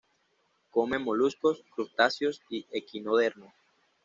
Come moluscos, crustáceos y equinodermos.